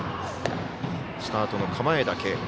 スタートの構えだけ。